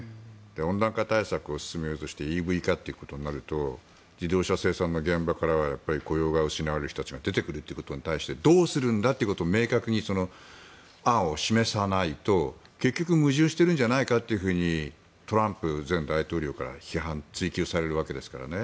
温暖化対策を進めようとしてＥＶ化となると自動車生産の現場からは雇用が失われる人が出てくることに対してどうするんだと明確に案を示さないと結局、矛盾しているんじゃないかとトランプ前大統領から批判・追及されるわけですから。